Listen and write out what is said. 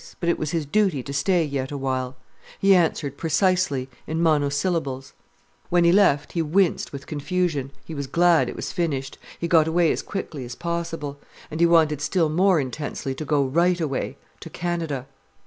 But it was his duty to stay yet awhile. He answered precisely, in monosyllables. When he left he winced with confusion. He was glad it was finished. He got away as quickly as possible. And he wanted still more intensely to go right away, to Canada.